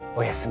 お休み。